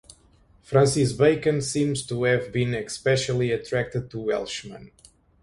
Francis Bacon seems to have been especially attracted to Welshmen.